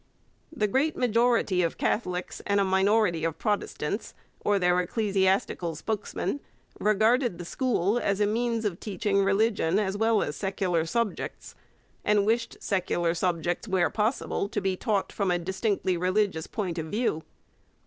The great majority of Catholics and a minority of Protestants, or their ecclesiastical spokesmen, regarded the school as a means of teaching religion as well as secular subjects, and wished secular subjects, where possible, to be taught from a distinctly religious point of view.